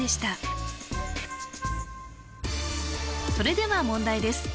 それでは問題です